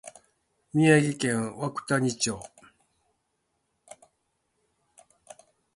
宮城県涌谷町